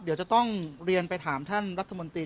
เดี๋ยวจะต้องเรียนไปถามท่านรัฐมนตรี